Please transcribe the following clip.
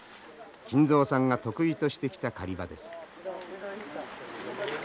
金蔵さんが得意としてきた狩り場です。